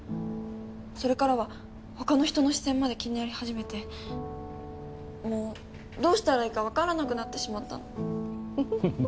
それからは他の人の視線まで気になりはじめてもうどうしたらいいかわからなくなってしまったの。